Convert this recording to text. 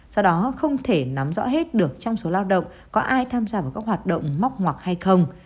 do đó không thể nắm rõ hết được trong số lao động có ai tham gia vào các hoạt động móc ngoặc hay không